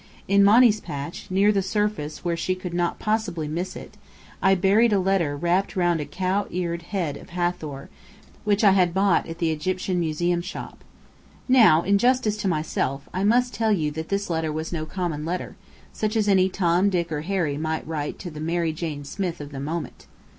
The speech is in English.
In Monny's patch, near the surface where she could not possibly miss it, I buried a letter wrapped round a cow eared head of Hathor which I had bought at the Egyptian Museum shop. Now, in justice to myself, I must tell you that this letter was no common letter, such as any Tom, Dick, or Harry may write to the Mary Jane Smith of the moment.